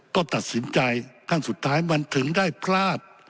ก็ตัดสินใจขั้นสุดท้ายมันถึงได้พลาด